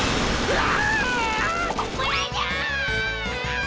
うわ！